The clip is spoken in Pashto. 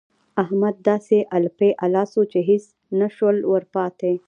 احمد داسې الپی الا سو چې هيڅ نه شول ورپاته.